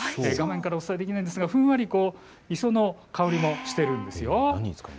画面からお伝えできないんですがふんわり磯の香りもしているんですよ。